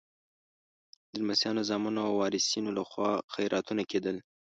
د لمسیانو، زامنو او وارثینو لخوا خیراتونه کېدل.